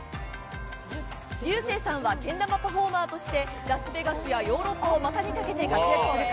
リューセーさんはけん玉パフォーマーとして、ラスベガスやヨーロッパをまたにかけて活躍する方。